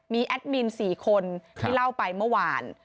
มีแอดมิน๔คนที่เล่าไปเมื่อวาน